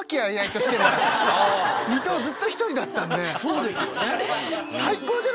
そうですよね。